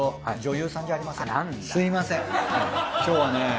今日はね